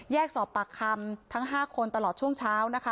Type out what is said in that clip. แยกสอบปากคำทั้ง๕คนตลอดช่วงเช้า